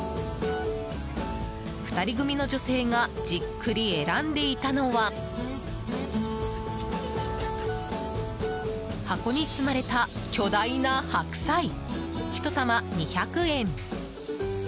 ２人組の女性がじっくり選んでいたのは箱に積まれた巨大な白菜ひと玉２００円。